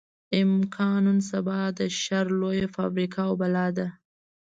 امريکا نن سبا د شر لويه فابريکه او بلا ده.